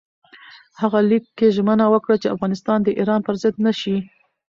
هغه لیک کې ژمنه وکړه چې افغانستان د ایران پر ضد نه شي.